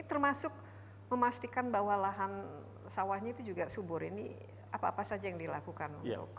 termasuk memastikan bahwa lahan sawahnya itu juga subur ini apa apa saja yang dilakukan